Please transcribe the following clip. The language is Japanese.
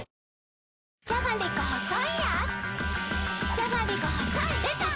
じゃがりこ細いやーつ